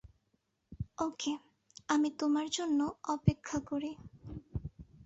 ওকে, আমি তোমার জন্য অপেক্ষা করি।